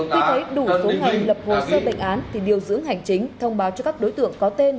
tuy thấy đủ số ngành lập hồ sơ bệnh án thì điều dưỡng hành chính thông báo cho các đối tượng có tên